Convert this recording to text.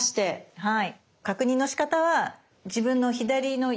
はい。